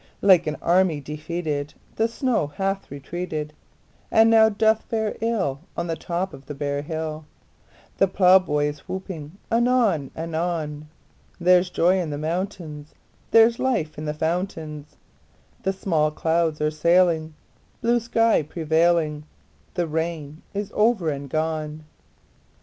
Like an army defeated The snow hath retreated, And now doth fare ill On the top of the bare hill; The plowboy is whooping anon anon: There's joy in the mountains; There's life in the fountains; Small clouds are sailing, Blue sky prevailing; The rain is over and gone!